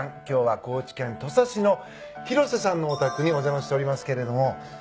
今日は高知県土佐市の廣瀬さんのお宅にお邪魔しておりますけれども。